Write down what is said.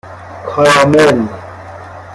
کارامل